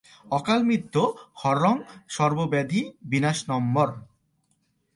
অকালমৃত্যু-হরণং সর্বব্যাধি-বিনাশনম্বর।